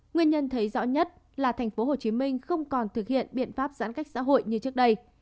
nguyên nhân thấy rõ nhất là tp hcm không còn thực hiện biện pháp giãn cách xã hội như trước đây